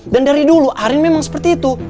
dan dari dulu arin memang seperti itu